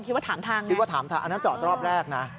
ว่าถามทางคิดว่าถามทางอันนั้นจอดรอบแรกนะ